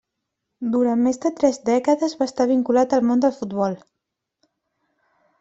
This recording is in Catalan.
Durant més de tres dècades va estar vinculat al món del futbol.